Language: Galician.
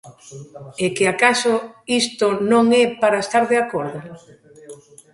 ¿É que acaso isto non é para estar de acordo?